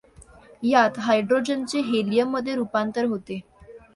यात हायड्रोजनचे हेलियममधे रुपांतर होते.